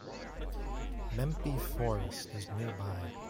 Mempi Forest is nearby.